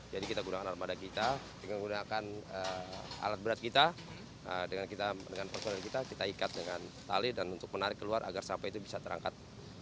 jadi kita gunakan armada kita dengan gunakan alat berat kita dengan personil kita kita ikat dengan tali dan untuk menarik keluar agar sampah itu bisa terangkat